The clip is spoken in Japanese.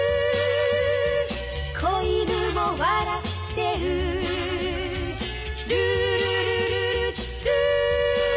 「小犬も笑ってる」「ルールルルルルー」